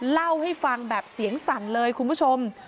เล่าให้ฟังแบบเสียงสั่นเลยคุณผู้ชม